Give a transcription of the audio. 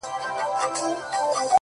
• نوم به مي نه وي د زمان پر ژبه ,